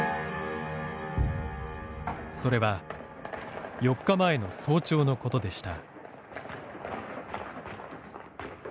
それは４日前の早朝のことでした。